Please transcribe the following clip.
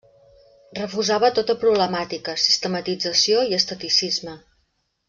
Refusava tota problemàtica, sistematització i esteticisme.